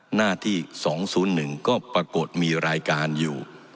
หน้าที่สองศูนย์หนึ่งก็ปรากฏมีรายการอยู่